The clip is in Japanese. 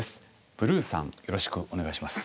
ブルーさんよろしくお願いします。